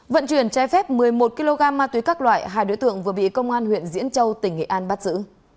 vận chuyển trái phép một mươi một kg ma túy các loại hai đối tượng vừa bị công an huyện diễn châu tỉnh nghệ an bắt giữ